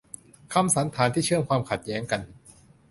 คำสันธานที่เชื่อมความข้ดแย้งกัน